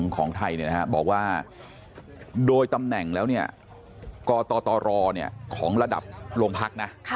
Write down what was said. ของฐัยนะบอกว่าโดยตำแหน่งแล้วเนี่ยกอตรเนี่ยของระดับโลงพรรคนะ